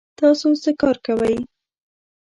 تاسو څه کار کوئ؟